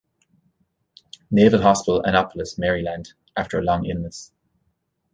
Naval Hospital, Annapolis, Maryland, after a long illness.